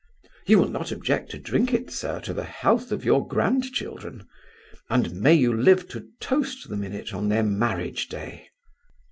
"You will not object to drink it, sir, to the health of your grandchildren. And may you live to toast them in it on their marriage day!"